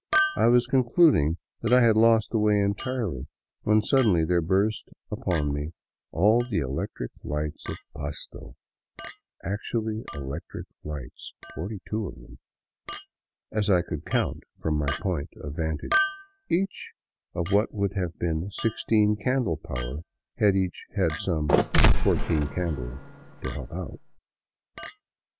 I was concluding I had lost the way entirely, when suddenly there burst upon me all the electric lights of Pasto — actually electric lights, forty two of them, as I could count from my point of vantage, each of what would have been sixteen candle power had each had some fourteen candles to help out.